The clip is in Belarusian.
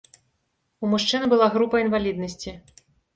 У мужчыны была група інваліднасці.